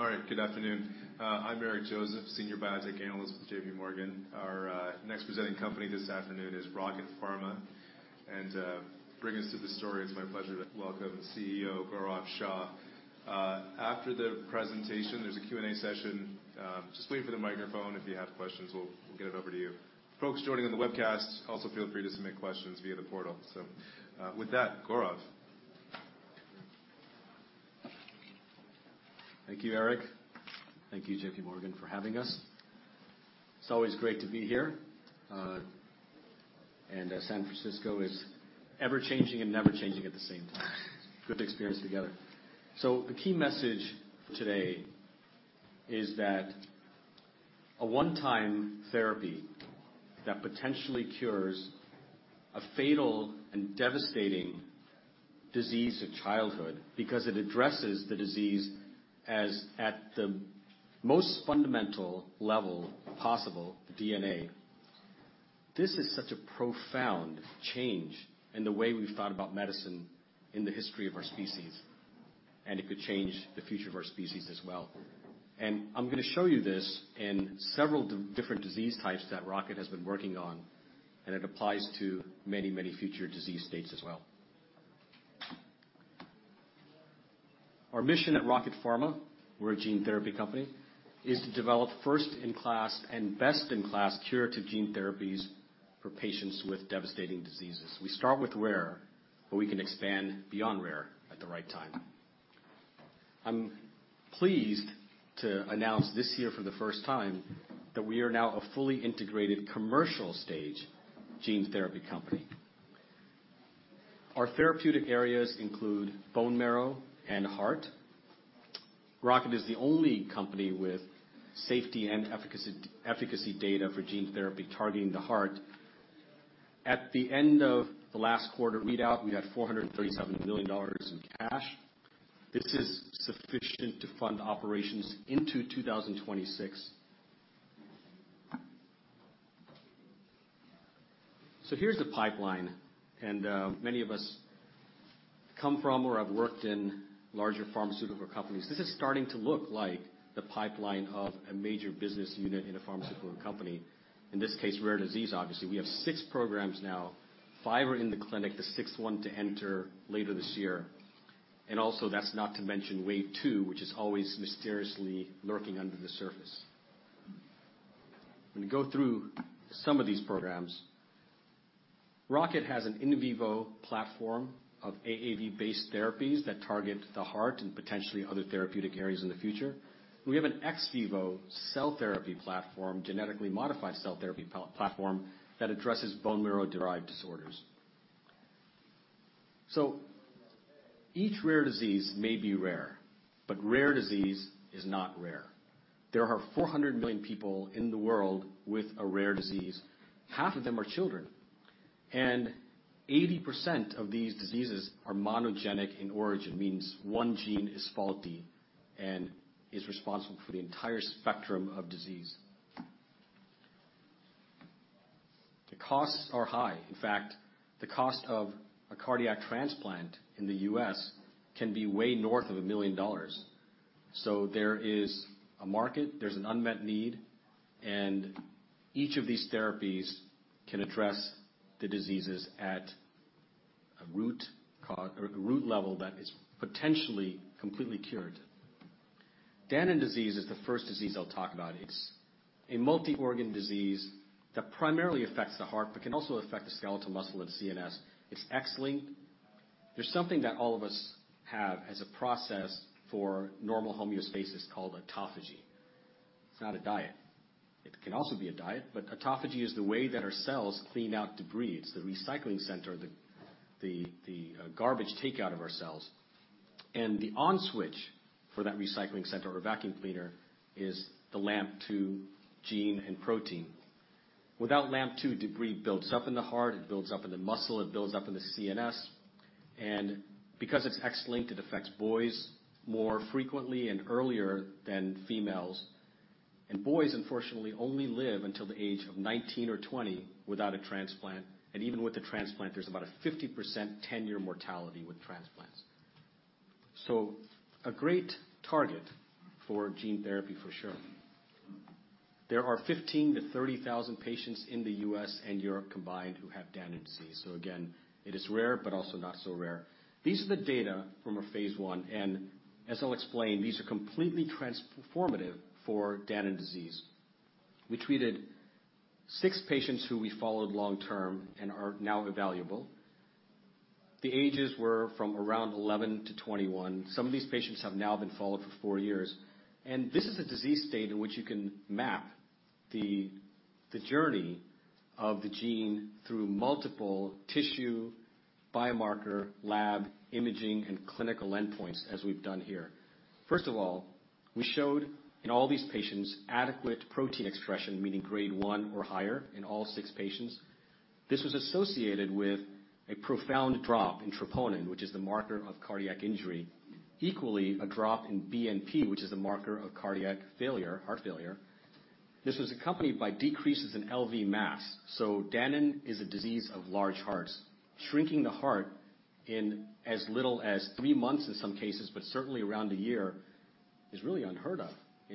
All right, good afternoon. I'm Eric Joseph, Senior Biotech Analyst with J.P. Morgan. Our next presenting company this afternoon is Rocket Pharma. And to bring us to the story, it's my pleasure to welcome CEO Gaurav Shah. After the presentation, there's a Q&A session. Just wait for the microphone. If you have questions, we'll get it over to you. Folks joining on the webcast, also feel free to submit questions via the portal. So with that, Gaurav. Thank you, Eric. Thank you, J.P. Morgan, for having us. It's always great to be here, and San Francisco is ever-changing and never-changing at the same time. Good to experience together. So the key message today is that a one-time therapy that potentially cures a fatal and devastating disease of childhood because it addresses the disease at the most fundamental level possible, the DNA. This is such a profound change in the way we've thought about medicine in the history of our species, and it could change the future of our species as well. I'm gonna show you this in several different disease types that Rocket has been working on, and it applies to many, many future disease states as well. Our mission at Rocket Pharma, we're a gene therapy company, is to develop first-in-class and best-in-class curative gene therapies for patients with devastating diseases. We start with rare, but we can expand beyond rare at the right time. I'm pleased to announce this year for the first time, that we are now a fully integrated commercial-stage gene therapy company. Our therapeutic areas include bone marrow and heart. Rocket is the only company with safety and efficacy, efficacy data for gene therapy targeting the heart. At the end of the last quarter readout, we had $437 million in cash. This is sufficient to fund operations into 2026. So here's the pipeline, and, many of us come from or have worked in larger pharmaceutical companies. This is starting to look like the pipeline of a major business unit in a pharmaceutical company. In this case, rare disease, obviously. We have 6 programs now. 5 are in the clinic, the sixth one to enter later this year. And also, that's not to mention wave two, which is always mysteriously lurking under the surface. I'm gonna go through some of these programs. Rocket has an in vivo platform of AAV-based therapies that target the heart and potentially other therapeutic areas in the future. We have an ex vivo cell therapy platform, genetically modified cell therapy platform, that addresses bone marrow-derived disorders. Each rare disease may be rare, but rare disease is not rare. There are 400 million people in the world with a rare disease. Half of them are children, and 80% of these diseases are monogenic in origin, means one gene is faulty and is responsible for the entire spectrum of disease. The costs are high. In fact, the cost of a cardiac transplant in the U.S. can be way north of $1 million. So there is a market, there's an unmet need, and each of these therapies can address the diseases at a root cau- or root level that is potentially completely cured. Danon disease is the first disease I'll talk about. It's a multiorgan disease that primarily affects the heart, but can also affect the skeletal muscle of the CNS. It's X-linked. There's something that all of us have as a process for normal homeostasis called autophagy. It's not a diet. It can also be a diet, but autophagy is the way that our cells clean out debris. It's the recycling center, the garbage takeout of our cells. And the on switch for that recycling center or vacuum cleaner is the LAMP2 gene and protein. Without LAMP2, debris builds up in the heart, it builds up in the muscle, it builds up in the CNS. Because it's X-linked, it affects boys more frequently and earlier than females. Boys, unfortunately, only live until the age of 19 or 20 without a transplant, and even with a transplant, there's about a 50% 10-year mortality with transplants. It's a great target for gene therapy, for sure. There are 15,000-30,000 patients in the US and Europe combined who have Danon disease. Again, it is rare, but also not so rare. These are the data from our phase 1, and as I'll explain, these are completely transformative for Danon disease. We treated 6 patients who we followed long-term and are now evaluable. The ages were from around 11-21. Some of these patients have now been followed for four years, and this is a disease state in which you can map the journey of the gene through multiple tissue, biomarker, lab, imaging, and clinical endpoints, as we've done here. First of all, we showed in all these patients adequate protein expression, meaning grade one or higher in all six patients. This was associated with a profound drop in troponin, which is the marker of cardiac injury. Equally, a drop in BNP, which is a marker of cardiac failure, heart failure. This was accompanied by decreases in LV mass. So Danon is a disease of large hearts. Shrinking the heart in as little as three months in some cases, but certainly around a year, is really unheard of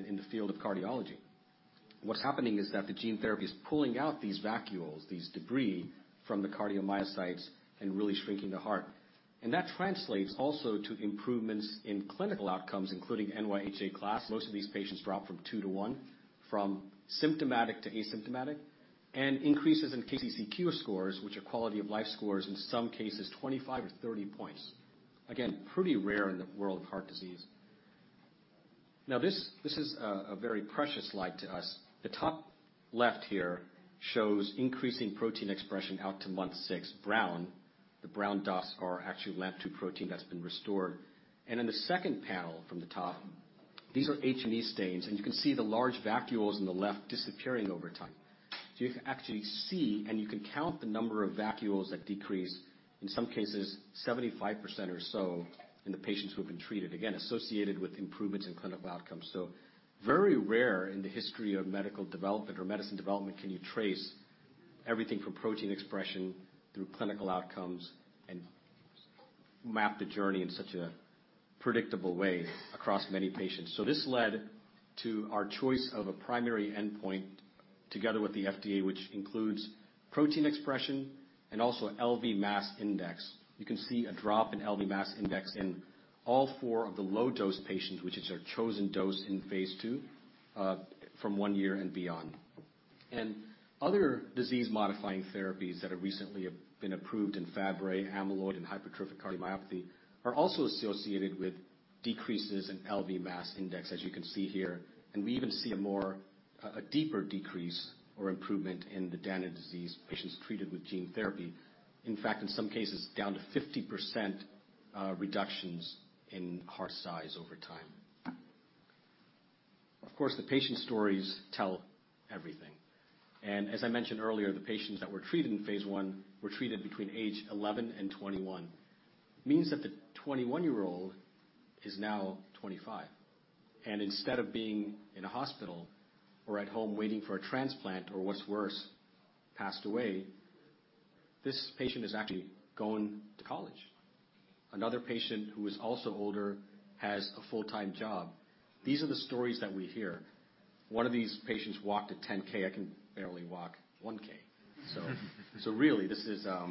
in the field of cardiology. What's happening is that the gene therapy is pulling out these vacuoles, these debris, from the cardiomyocytes and really shrinking the heart. And that translates also to improvements in clinical outcomes, including NYHA Class. Most of these patients drop from 2 to 1, from symptomatic to asymptomatic, and increases in KCCQ scores, which are quality-of-life scores, in some cases 25 or 30 points. Again, pretty rare in the world of heart disease. Now, this is a very precious slide to us. The top left here shows increasing protein expression out to month 6. Brown, the brown dots are actually LAMP2 protein that's been restored. And in the second panel from the top, these are H&E stains, and you can see the large vacuoles on the left disappearing over time. So you can actually see, and you can count the number of vacuoles that decrease, in some cases, 75% or so, in the patients who have been treated, again, associated with improvements in clinical outcomes. So very rare in the history of medical development or medicine development, can you trace everything from protein expression through clinical outcomes and map the journey in such a predictable way across many patients? So this led to our choice of a primary endpoint, together with the FDA, which includes protein expression and also LV Mass Index. You can see a drop in LV Mass Index in all four of the low-dose patients, which is our chosen dose in phase two, from one year and beyond. Other disease-modifying therapies that have recently been approved in Fabry, amyloid, and hypertrophic cardiomyopathy are also associated with decreases in LV mass index, as you can see here, and we even see a deeper decrease or improvement in Danon disease patients treated with gene therapy. In fact, in some cases, down to 50% reductions in heart size over time. Of course, the patient stories tell everything, and as I mentioned earlier, the patients that were treated in phase 1 were treated between age 11 and 21. Means that the 21-year-old is now 25, and instead of being in a hospital or at home waiting for a transplant, or what's worse, passed away, this patient is actually going to college. Another patient who is also older has a full-time job. These are the stories that we hear. One of these patients walked a 10K. I can barely walk 1K. So, so really, this is a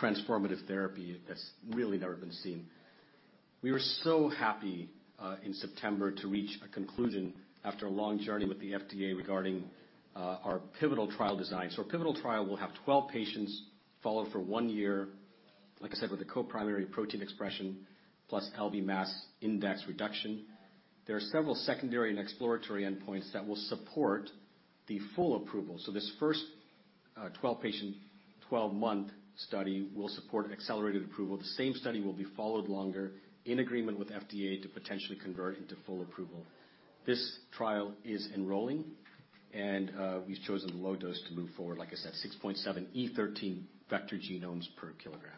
transformative therapy that's really never been seen. We were so happy in September to reach a conclusion after a long journey with the FDA regarding our pivotal trial design. So our pivotal trial will have 12 patients followed for 1 year, like I said, with a co-primary protein expression, plus LV mass index reduction. There are several secondary and exploratory endpoints that will support the full approval. So this first, 12-patient, 12-month study will support accelerated approval. The same study will be followed longer in agreement with FDA to potentially convert into full approval. This trial is enrolling, and we've chosen the low dose to move forward. Like I said, 6.7 E13 vector genomes per kilogram.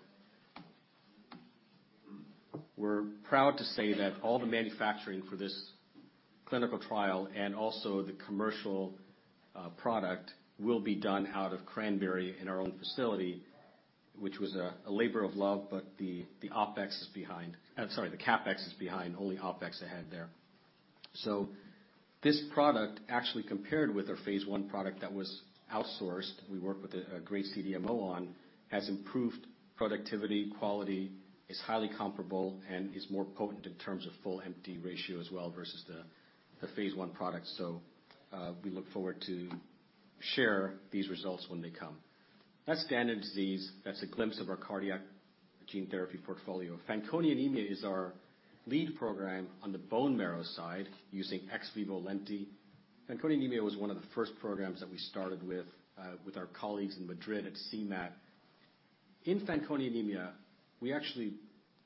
We're proud to say that all the manufacturing for this clinical trial and also the commercial product will be done out of Cranbury in our own facility, which was a labor of love, but the OpEx is behind. Sorry, the CapEx is behind. Only OpEx ahead there. So this product actually compared with our phase 1 product that was outsourced, we worked with a great CDMO on, has improved productivity. Quality is highly comparable and is more potent in terms of full/empty ratio as well versus the phase 1 product. So, we look forward to share these results when they come. That's Danon Disease. That's a glimpse of our cardiac gene therapy portfolio. Fanconi anemia is our lead program on the bone marrow side, using ex vivo lenti. Fanconi anemia was one of the first programs that we started with our colleagues in Madrid at CIEMAT. In Fanconi anemia, we actually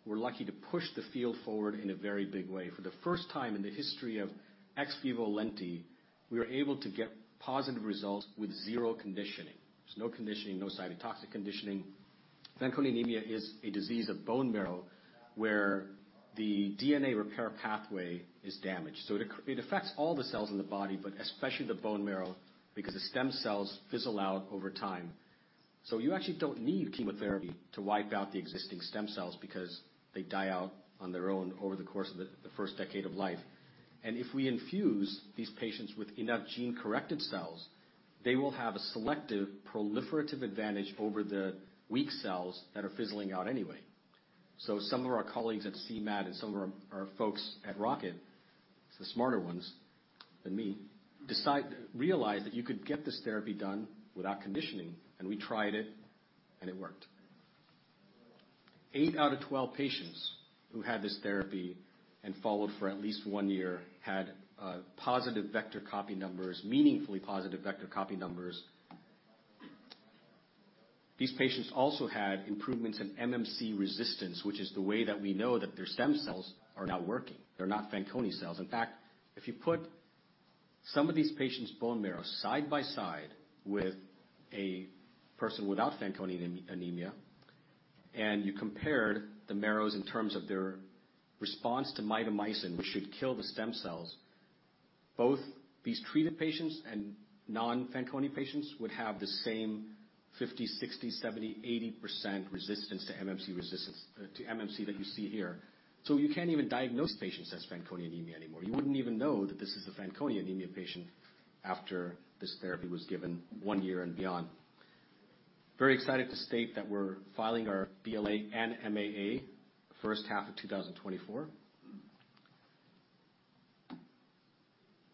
were lucky to push the field forward in a very big way. For the first time in the history of ex vivo lenti, we were able to get positive results with 0 conditioning. There's no conditioning, no cytotoxic conditioning. Fanconi anemia is a disease of bone marrow, where the DNA repair pathway is damaged, so it affects all the cells in the body, but especially the bone marrow, because the stem cells fizzle out over time. So you actually don't need chemotherapy to wipe out the existing stem cells because they die out on their own over the course of the first decade of life. And if we infuse these patients with enough gene-corrected cells, they will have a selective proliferative advantage over the weak cells that are fizzling out anyway. So some of our colleagues at CIEMAT and some of our folks at Rocket, the smarter ones than me, realized that you could get this therapy done without conditioning, and we tried it, and it worked. 8 out of 12 patients who had this therapy and followed for at least one year had positive vector copy numbers, meaningfully positive vector copy numbers. These patients also had improvements in MMC resistance, which is the way that we know that their stem cells are now working. They're not Fanconi cells. In fact, if you put some of these patients' bone marrow side by side with a person without Fanconi anemia-... And you compared the marrows in terms of their response to mitomycin, which should kill the stem cells. Both these treated patients and non-Fanconi patients would have the same 50, 60, 70, 80% resistance to MMC resistance, to MMC that you see here. So you can't even diagnose patients as Fanconi anemia anymore. You wouldn't even know that this is a Fanconi anemia patient after this therapy was given one year and beyond. Very excited to state that we're filing our BLA and MAA first half of 2024.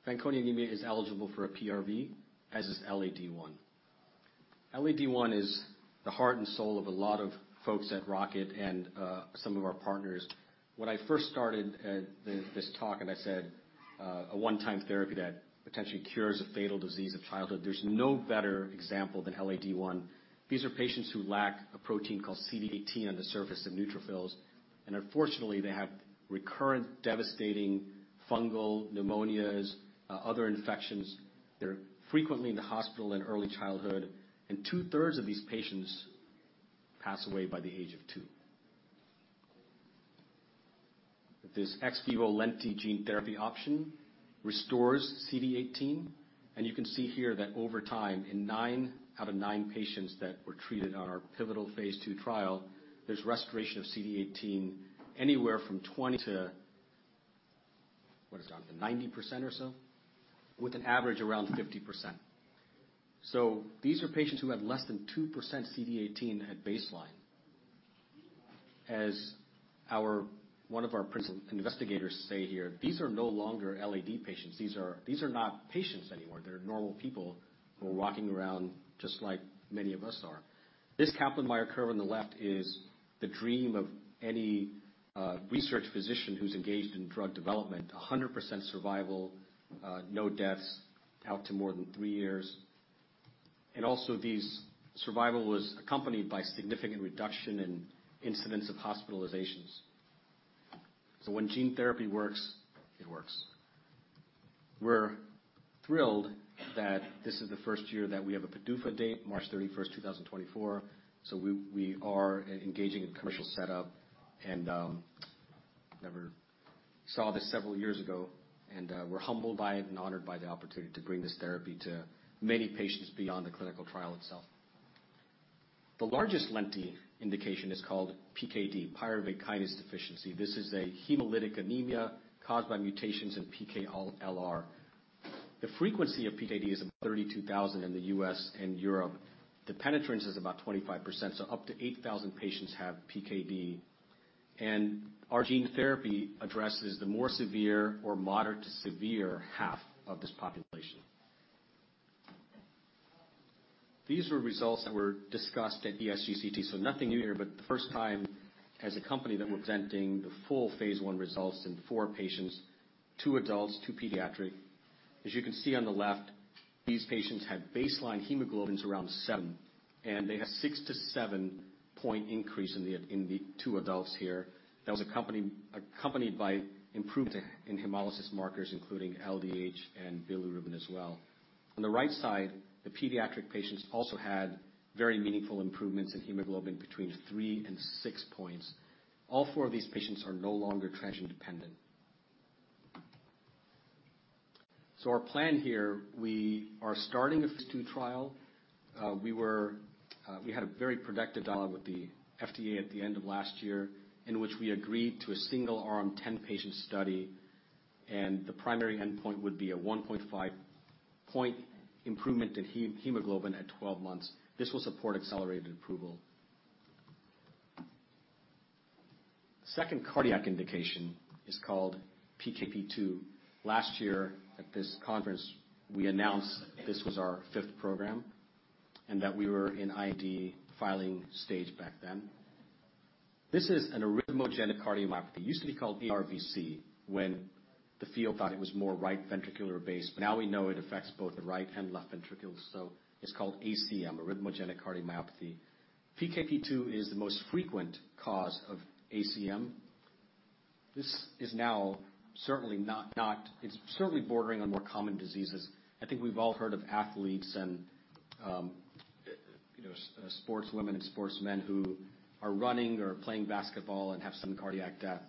Fanconi anemia is eligible for a PRV, as is LAD-I. LAD-I is the heart and soul of a lot of folks at Rocket and some of our partners. When I first started this, this talk, and I said a one-time therapy that potentially cures a fatal disease of childhood, there's no better example than LAD-I. These are patients who lack a protein called CD18 on the surface of neutrophils, and unfortunately, they have recurrent, devastating fungal pneumonias, other infections. They're frequently in the hospital in early childhood, and two-thirds of these patients pass away by the age of two. This ex vivo lentiviral gene therapy option restores CD18, and you can see here that over time, in 9 out of 9 patients that were treated on our pivotal phase 2 trial, there's restoration of CD18, anywhere from 20% to... What is that? 90% or so, with an average around 50%. So these are patients who have less than 2% CD18 at baseline. As one of our principal investigators say here, "These are no longer LAD patients. These are, these are not patients anymore. They're normal people who are walking around just like many of us are." This Kaplan-Meier curve on the left is the dream of any research physician who's engaged in drug development, 100% survival, no deaths, out to more than three years. Also, this survival was accompanied by significant reduction in incidents of hospitalizations. So when gene therapy works, it works. We're thrilled that this is the first year that we have a PDUFA date, March 31, 2024. So we, we are engaging in commercial setup, and never saw this several years ago, and we're humbled by it and honored by the opportunity to bring this therapy to many patients beyond the clinical trial itself. The largest lenti indication is called PKD, pyruvate kinase deficiency. This is a hemolytic anemia caused by mutations in PKLR. The frequency of PKD is 32,000 in the U.S. and Europe. The penetrance is about 25%, so up to 8,000 patients have PKD. Our gene therapy addresses the more severe or moderate-to-severe half of this population. These were results that were discussed at ESGCT, so nothing new here, but the first time as a company that we're presenting the full phase 1 results in four patients, two adults, two pediatric. As you can see on the left, these patients had baseline hemoglobins around seven, and they had six- to seven-point increase in the two adults here. That was accompanied by improvement in hemolysis markers, including LDH and bilirubin as well. On the right side, the pediatric patients also had very meaningful improvements in hemoglobin 3-6 points. All 4 of these patients are no longer transfusion-dependent. So our plan here, we are starting a phase 2 trial. We had a very productive dialogue with the FDA at the end of last year, in which we agreed to a single-arm 10-patient study, and the primary endpoint would be a 1.5-point improvement in hemoglobin at 12 months. This will support accelerated approval. Second cardiac indication is called PKP2. Last year, at this conference, we announced this was our 5th program, and that we were in IND filing stage back then. This is an arrhythmogenic cardiomyopathy. It used to be called ARVC, when the field thought it was more right ventricular base, but now we know it affects both the right and left ventricles, so it's called ACM, arrhythmogenic cardiomyopathy. PKP2 is the most frequent cause of ACM. This is now certainly not. It's certainly bordering on more common diseases. I think we've all heard of athletes and, you know, sports women and sports men who are running or playing basketball and have some cardiac death.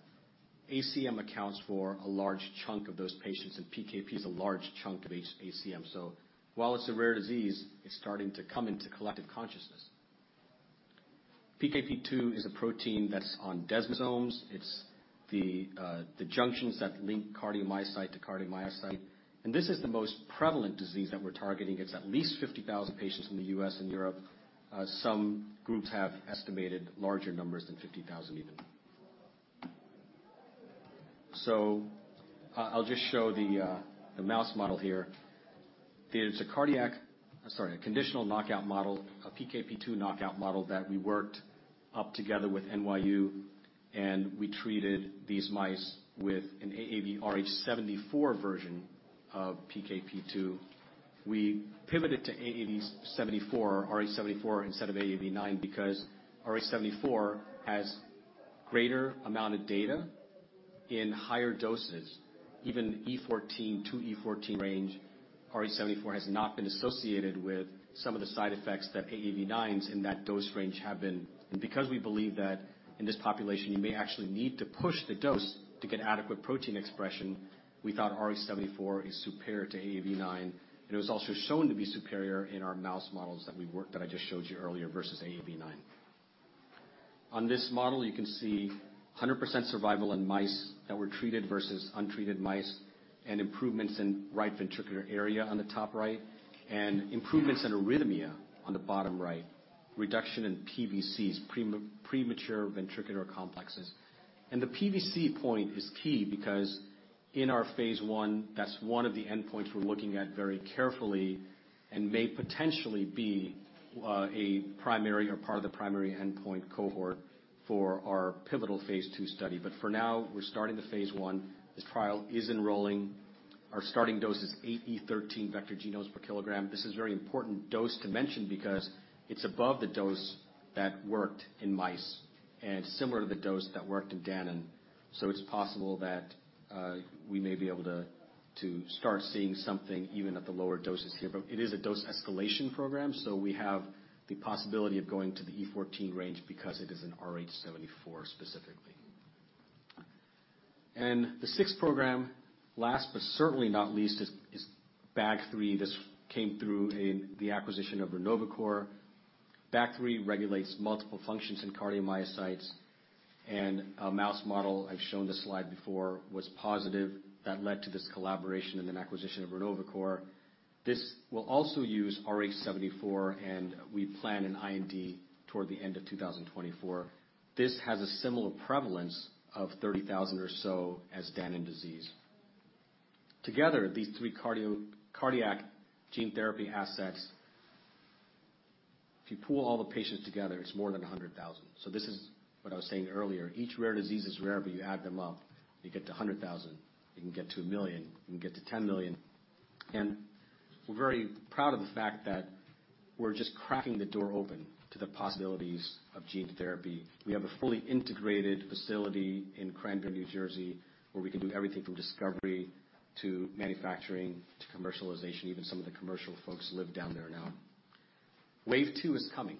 ACM accounts for a large chunk of those patients, and PKP is a large chunk of each ACM. So while it's a rare disease, it's starting to come into collective consciousness. PKP2 is a protein that's on desmosomes. It's the junctions that link cardiomyocyte to cardiomyocyte, and this is the most prevalent disease that we're targeting. It's at least 50,000 patients in the U.S. and Europe. Some groups have estimated larger numbers than 50,000 even. So I'll just show the mouse model here. There's a cardiac. Sorry, a conditional knockout model, a PKP2 knockout model, that we worked up together with NYU, and we treated these mice with an AAVrh74 version of PKP2. We pivoted to AAV 74, rh74 instead of AAV9, because rh74 has greater amount of data in higher doses, even E14 to E14 range. rh74 has not been associated with some of the side effects that AAV9s in that dose range have been. Because we believe that in this population, you may actually need to push the dose to get adequate protein expression, we thought rh74 is superior to AAV9, and it was also shown to be superior in our mouse models that we worked, that I just showed you earlier, versus AAV9. On this model, you can see 100% survival in mice that were treated versus untreated mice, and improvements in right ventricular area on the top right, and improvements in arrhythmia on the bottom right, reduction in PVCs, premature ventricular complexes. The PVC point is key because in our phase 1, that's one of the endpoints we're looking at very carefully and may potentially be a primary or part of the primary endpoint cohort for our pivotal phase 2 study. But for now, we're starting the phase 1. This trial is enrolling. Our starting dose is 8E13 vector genomes per kilogram. This is a very important dose to mention because it's above the dose that worked in mice and similar to the dose that worked in Danon. So it's possible that we may be able to start seeing something even at the lower doses here. But it is a dose escalation program, so we have the possibility of going to the E14 range because it is an rh74 specifically. The sixth program, last but certainly not least, is BAG3. This came through in the acquisition of Renovacor. BAG3 regulates multiple functions in cardiomyocytes, and a mouse model, I've shown this slide before, was positive. That led to this collaboration and then acquisition of Renovacor. This will also use rh74, and we plan an IND toward the end of 2024. This has a similar prevalence of 30,000 or so as Danon disease. Together, these three cardiac gene therapy assets, if you pool all the patients together, it's more than 100,000. So this is what I was saying earlier. Each rare disease is rare, but you add them up, you get to 100,000, you can get to 1 million, you can get to 10 million. And we're very proud of the fact that we're just cracking the door open to the possibilities of gene therapy. We have a fully integrated facility in Cranbury, New Jersey, where we can do everything from discovery, to manufacturing, to commercialization. Even some of the commercial folks live down there now. Wave two is coming,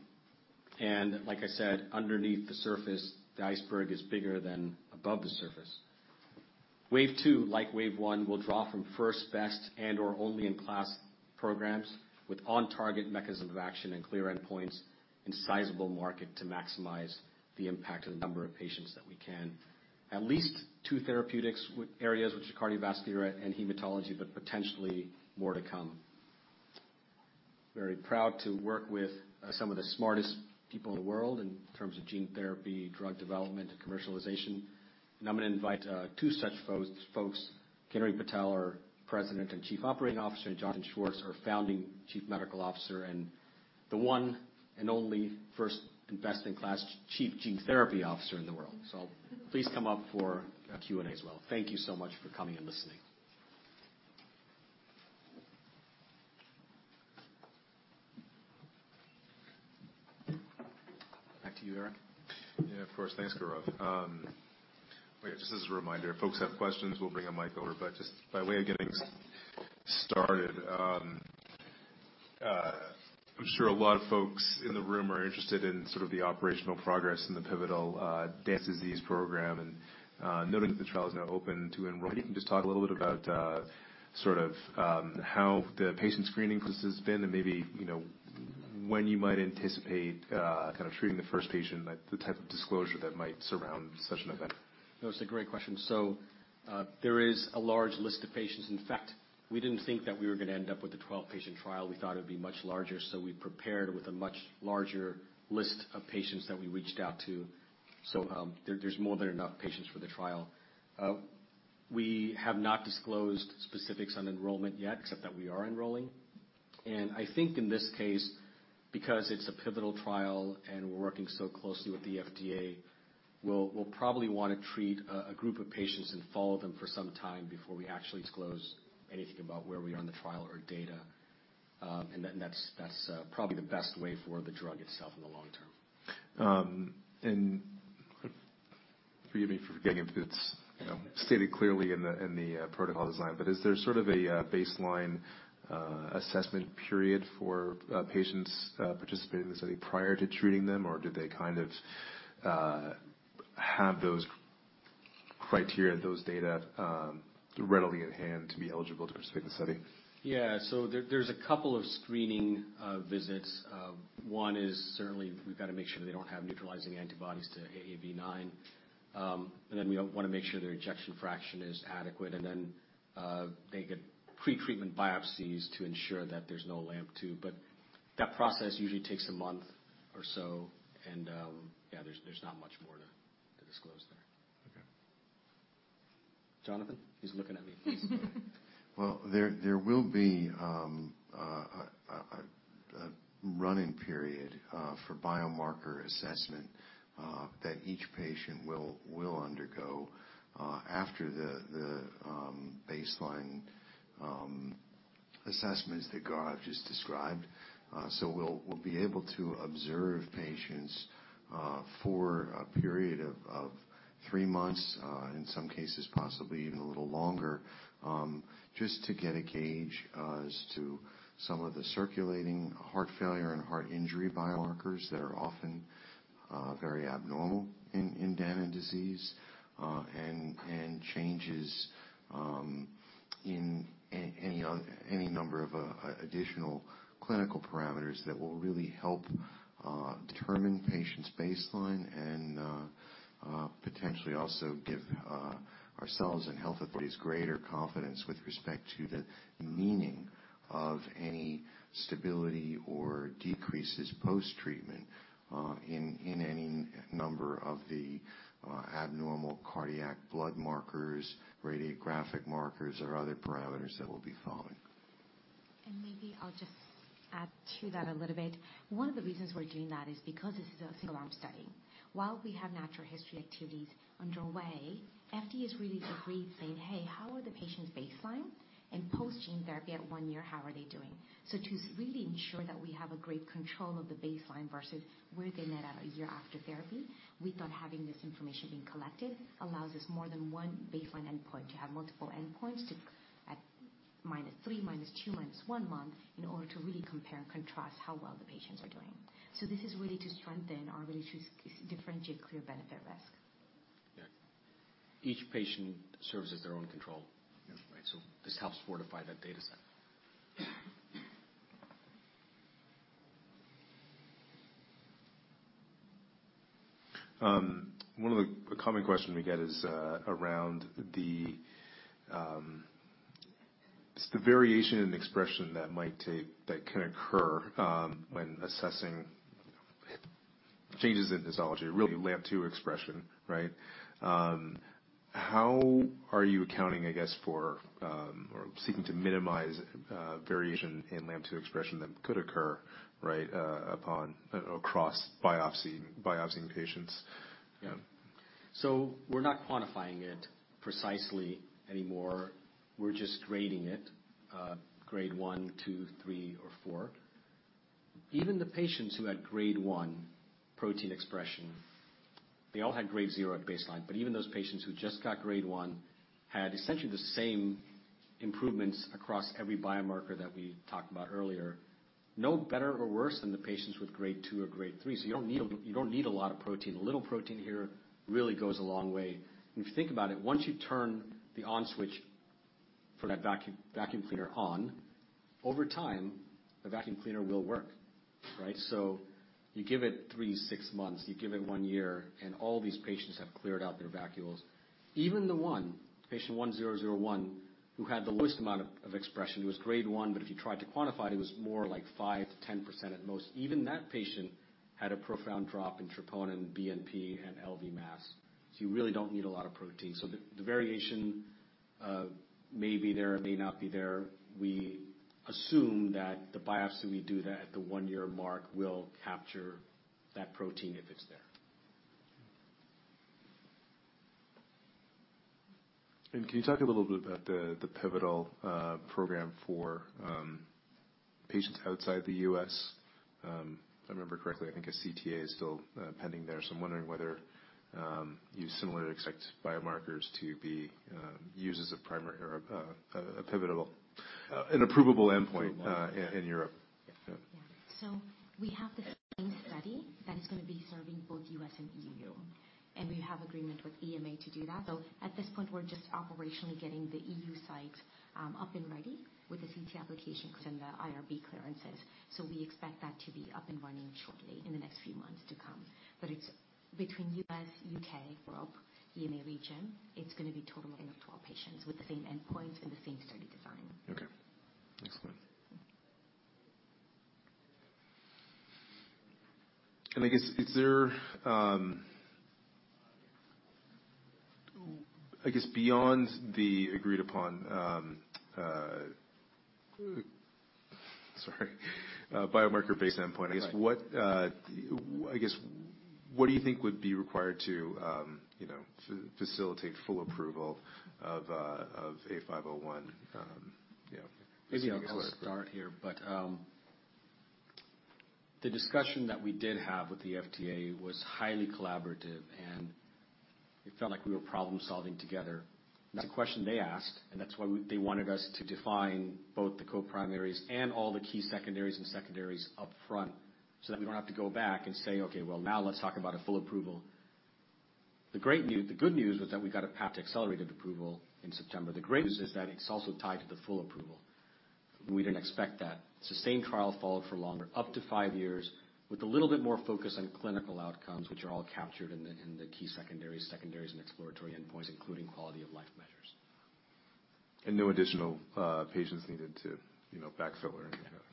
and like I said, underneath the surface, the iceberg is bigger than above the surface. Wave two, like wave one, will draw from first, best, and/or only-in-class programs with on-target mechanism of action and clear endpoints and sizable market to maximize the impact of the number of patients that we can. At least two therapeutics with areas, which are cardiovascular and hematology, but potentially more to come. Very proud to work with some of the smartest people in the world in terms of gene therapy, drug development, and commercialization. And I'm gonna invite two such folks, Kinnari Patel, our President and Chief Operating Officer, and Jonathan Schwartz, our Founding Chief Medical Officer, and the one and only first-in-class Chief Gene Therapy Officer in the world. So please come up for a Q&A as well. Thank you so much for coming and listening. Back to you, Eric. Yeah, of course. Thanks, Gaurav. Wait, just as a reminder, folks have questions, we'll bring a mic over. But just by way of getting started, I'm sure a lot of folks in the room are interested in sort of the operational progress in the pivotal Danon disease program, and noting that the trial is now open to enrollment. Can you just talk a little bit about sort of how the patient screening process has been and maybe, you know, when you might anticipate kind of treating the first patient, like the type of disclosure that might surround such an event? No, it's a great question. So, there is a large list of patients. In fact, we didn't think that we were gonna end up with a 12-patient trial. We thought it would be much larger, so we prepared with a much larger list of patients that we reached out to. So, there, there's more than enough patients for the trial. We have not disclosed specifics on enrollment yet, except that we are enrolling. And I think in this case, because it's a pivotal trial and we're working so closely with the FDA, we'll probably wanna treat a group of patients and follow them for some time before we actually disclose anything about where we are on the trial or data. And then that's probably the best way for the drug itself in the long term. Forgive me for getting into this, you know, stated clearly in the protocol design, but is there sort of a baseline assessment period for patients participating in the study prior to treating them, or do they kind of have those criteria, those data readily at hand to be eligible to participate in the study? Yeah. So there, there's a couple of screening visits. One is certainly we've got to make sure they don't have neutralizing antibodies to AAV9. And then we wanna make sure their ejection fraction is adequate, and then, they get pre-treatment biopsies to ensure that there's no LAMP2, but that process usually takes a month or so, and, yeah, there's not much more to disclose there. Okay. Jonathan? He's looking at me. Well, there will be a running period for biomarker assessment that each patient will undergo after the baseline...... assessments that Gaurav just described. So we'll be able to observe patients for a period of three months, in some cases, possibly even a little longer, just to get a gauge as to some of the circulating heart failure and heart injury biomarkers that are often very abnormal in Danon disease. And changes in any number of additional clinical parameters that will really help determine patient's baseline and potentially also give ourselves and health authorities greater confidence with respect to the meaning of any stability or decreases post-treatment in any number of the abnormal cardiac blood markers, radiographic markers, or other parameters that we'll be following. Maybe I'll just add to that a little bit. One of the reasons we're doing that is because this is a single-arm study. While we have natural history activities underway, FDA has really agreed, saying: "Hey, how are the patients baseline? And post-gene therapy at one year, how are they doing?" So to really ensure that we have a great control of the baseline versus where they met at a year after therapy, we thought having this information being collected allows us more than one baseline endpoint. To have multiple endpoints to at minus three, minus two, minus one month, in order to really compare and contrast how well the patients are doing. So this is really to strengthen our ability to differentiate clear benefit risk. Yeah. Each patient serves as their own control, right? So this helps fortify that data set. One of the common question we get is around just the variation in expression that can occur when assessing changes in histology, really LAMP2 expression, right? How are you accounting, I guess, for or seeking to minimize variation in LAMP2 expression that could occur, right, upon across biopsying patients? Yeah. So we're not quantifying it precisely anymore. We're just grading it, grade 1, 2, 3, or 4. Even the patients who had grade 1 protein expression, they all had grade 0 at baseline, but even those patients who just got grade 1, had essentially the same improvements across every biomarker that we talked about earlier. No better or worse than the patients with grade 2 or grade 3. So you don't need a, you don't need a lot of protein. A little protein here really goes a long way. And if you think about it, once you turn the on switch for that vacuum, vacuum cleaner on, over time, the vacuum cleaner will work, right? So you give it 3, 6 months, you give it 1 year, and all these patients have cleared out their vacuoles. Even the one patient 1001, who had the lowest amount of expression, it was grade 1, but if you tried to quantify it, it was more like 5%-10% at most. Even that patient had a profound drop in troponin, BNP, and LV mass. So you really don't need a lot of protein. So the variation may be there, may not be there. We assume that the biopsy we do that at the 1-year mark will capture that protein if it's there. Can you talk a little bit about the pivotal program for patients outside the U.S.? If I remember correctly, I think a CTA is still pending there, so I'm wondering whether you similarly expect biomarkers to be used as a primary or an approvable endpoint in Europe. Yeah. Yeah. So we have the same study that is gonna be serving both US and EU, and we have agreement with EMA to do that. So at this point, we're just operationally getting the EU site up and ready with the CT application and the IRB clearances. So we expect that to be up and running shortly in the next few months to come. But it's between US, UK, Europe, EMA region; it's gonna be total of 12 patients with the same endpoints and the same study design. Okay. Excellent. And I guess, I guess beyond the agreed upon, sorry, biomarker-based endpoint, I guess, what, I guess, what do you think would be required to, you know, facilitate full approval of, of A501, yeah? Maybe I'll start here, but the discussion that we did have with the FDA was highly collaborative, and it felt like we were problem-solving together. That's a question they asked, and that's why they wanted us to define both the co-primaries and all the key secondaries up front, so that we don't have to go back and say: "Okay, well, now let's talk about a full approval." The good news was that we got a path to accelerated approval in September. The great news is that it's also tied to the full approval. We didn't expect that. Sustained trial followed for longer, up to five years, with a little bit more focus on clinical outcomes, which are all captured in the key secondaries and exploratory endpoints, including quality of life measures. No additional patients needed to, you know, backfill or anything? Yeah. Okay. All right.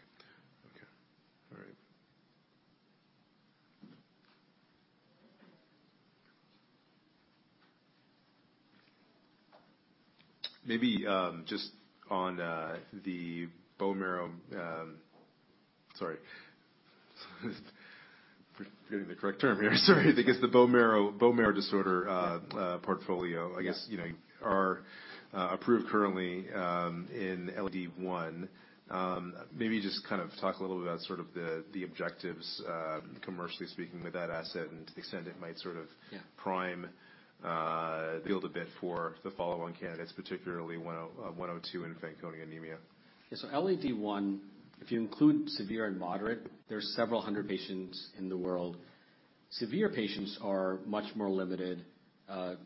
Maybe just on the bone marrow disorder portfolio, I guess, you know, are approved currently in LAD-I. Maybe just kind of talk a little bit about sort of the objectives commercially speaking with that asset and the extent it might sort of- Yeah. prime the field a bit for the follow-on candidates, particularly 102 in Fanconi Anemia. Yeah. So LAD-I, if you include severe and moderate, there are several hundred patients in the world. Severe patients are much more limited,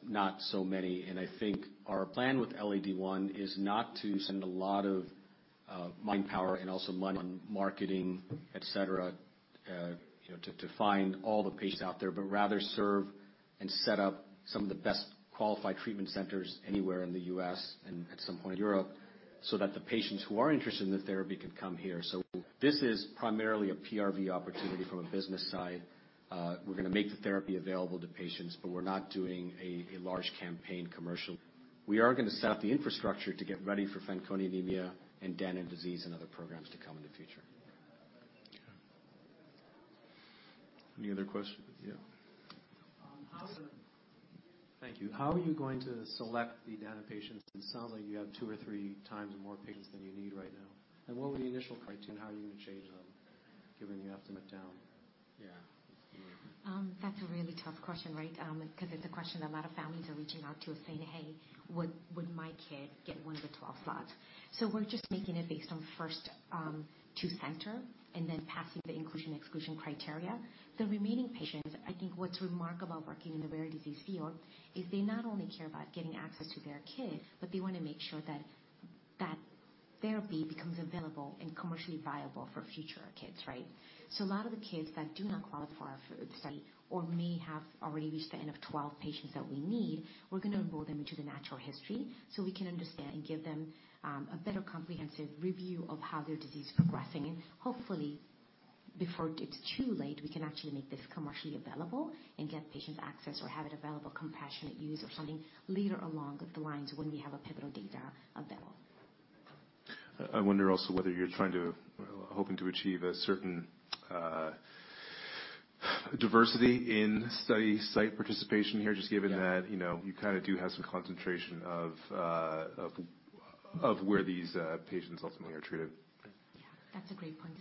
not so many, and I think our plan with LAD-I is not to send a lot of mind power and also money on marketing, et cetera, you know, to find all the patients out there, but rather serve and set up some of the best qualified treatment centers anywhere in the U.S. and at some point in Europe, so that the patients who are interested in the therapy can come here. So this is primarily a PRV opportunity from a business side. We're gonna make the therapy available to patients, but we're not doing a large campaign commercial. We are gonna set up the infrastructure to get ready for Fanconi anemia and Danon disease and other programs to come in the future. Any other questions? Yeah. Thank you. How are you going to select the Danon patients? It sounds like you have two or three times more patients than you need right now. And what were the initial criteria, and how are you gonna change them, given you have to cut down? Yeah. That's a really tough question, right? 'Cause it's a question that a lot of families are reaching out to, saying, "Hey, would my kid get one of the 12 slots?" So we're just making it based on first to center and then passing the inclusion/exclusion criteria. The remaining patients, I think what's remarkable working in the rare disease field, is they not only care about getting access to their kid, but they wanna make sure that therapy becomes available and commercially viable for future kids, right? So a lot of the kids that do not qualify for the study or may have already reached the end of 12 patients that we need, we're gonna enroll them into the natural history so we can understand and give them a better comprehensive review of how their disease is progressing. Hopefully, before it's too late, we can actually make this commercially available and get patients access or have it available, compassionate use or something later along with the lines when we have a pivotal data available. I wonder also whether you're hoping to achieve a certain diversity in study site participation here, just given that- Yeah... you know, you kinda do have some concentration of where these patients ultimately are treated. Yeah, that's a great point.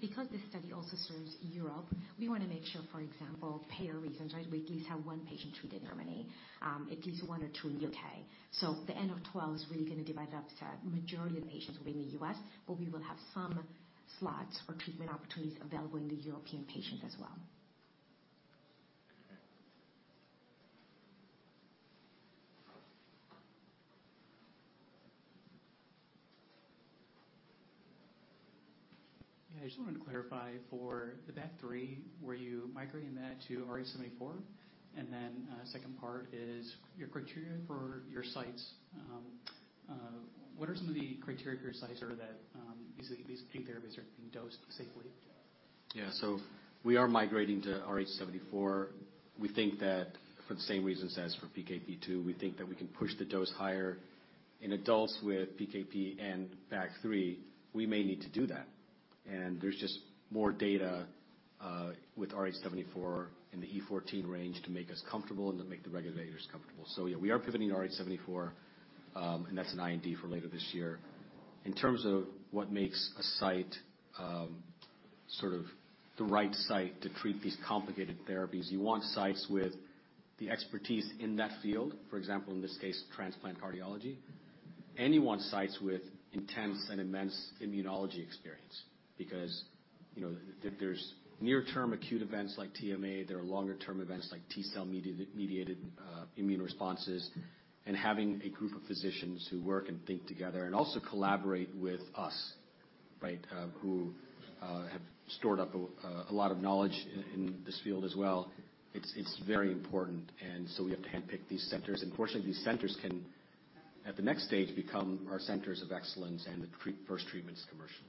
Because this study also serves Europe, we wanna make sure, for example, payer reasons, right? We at least have one patient treated in Germany, at least one or two in the UK. So the N of 12 is really gonna divide it up so that majority of patients will be in the US, but we will have some slots or treatment opportunities available in the European patients as well. Okay. Yeah. I just wanted to clarify for the BAG3, were you migrating that to rh74? And then, second part is your criteria for your sites. What are some of the criteria for your sites or that, these therapies are being dosed safely? Yeah. So we are migrating to rh74. We think that for the same reasons as for PKP2, we think that we can push the dose higher. In adults with PKP2 and BAG3, we may need to do that. And there's just more data with rh74 in the E14 range to make us comfortable and to make the regulators comfortable. So yeah, we are pivoting to rh74, and that's an IND for later this year. In terms of what makes a site sort of the right site to treat these complicated therapies, you want sites with the expertise in that field, for example, in this case, transplant cardiology. Any sites with intense and immense immunology experience, because, you know, there's near-term acute events like TMA, there are longer-term events like T-cell mediated immune responses, and having a group of physicians who work and think together and also collaborate with us, right, who have stored up a lot of knowledge in this field as well, it's very important, and so we have to handpick these centers. Fortunately, these centers can, at the next stage, become our centers of excellence and the first treatments commercially.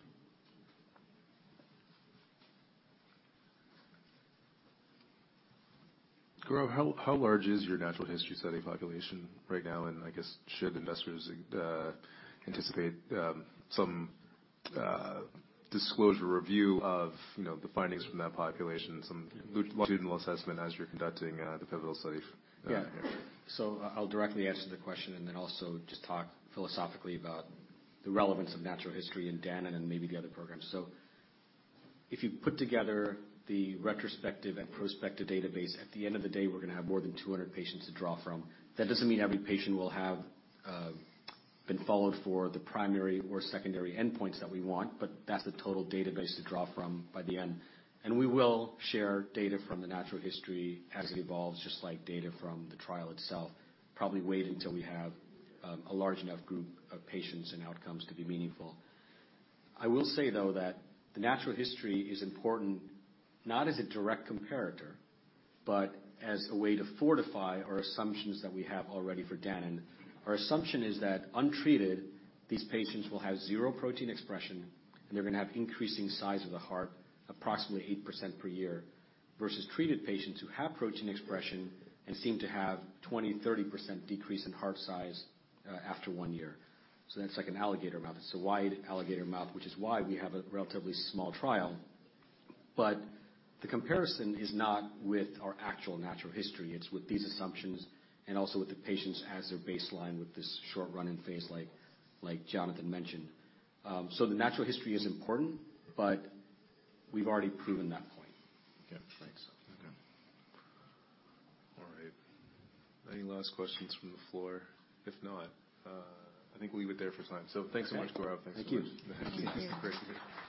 Gaurav, how large is your natural history study population right now? And I guess, should investors anticipate some disclosure review of, you know, the findings from that population, some longitudinal assessment as you're conducting the pivotal studies? Yeah. So I'll directly answer the question and then also just talk philosophically about the relevance of natural history in Danon and maybe the other programs. So if you put together the retrospective and prospective database, at the end of the day, we're gonna have more than 200 patients to draw from. That doesn't mean every patient will have been followed for the primary or secondary endpoints that we want, but that's the total database to draw from by the end. And we will share data from the natural history as it evolves, just like data from the trial itself. Probably wait until we have a large enough group of patients and outcomes to be meaningful. I will say, though, that the natural history is important, not as a direct comparator, but as a way to fortify our assumptions that we have already for Danon. Our assumption is that untreated, these patients will have zero protein expression, and they're gonna have increasing size of the heart, approximately 8% per year, versus treated patients who have protein expression and seem to have 20%-30% decrease in heart size after 1 year. So that's like an alligator mouth. It's a wide alligator mouth, which is why we have a relatively small trial. But the comparison is not with our actual natural history, it's with these assumptions and also with the patients as their baseline with this short run-in phase, like Jonathan mentioned. So the natural history is important, but we've already proven that point. Okay, thanks. Okay. All right. Any last questions from the floor? If not, I think we'll leave it there for time. Thanks so much, Gaurav. Thank you. Thank you. Great.